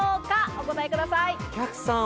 お答えください。